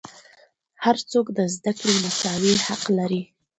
هر څوک د زدهکړې مساوي حق لري.